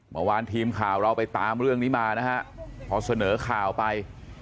เมื่อวานทีมข่าวเราไปตามเรื่องนี้มานะฮะพอเสนอข่าวไป